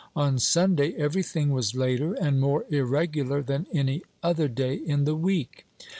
On Sunday every thing was later and more irregular than any other day in the week.